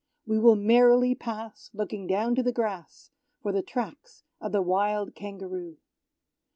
We will merrily pass, Looking down to the grass For the tracks of the wild Kangaroo.